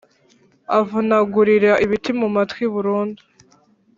Avunagurira ibiti mu matwi burundu